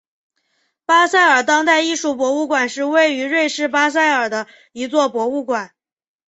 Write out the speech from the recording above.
巴塞尔当代艺术博物馆是位于瑞士巴塞尔的一座博物馆。